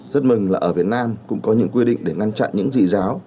rất mừng là ở việt nam cũng có những quy định để ngăn chặn những dị giáo